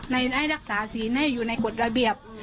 ให้รักษาศีลให้อยู่ในกฎระเบียบ